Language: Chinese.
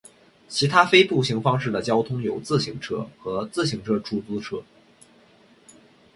其他非步行方式的交通有自行车和自行车出租车。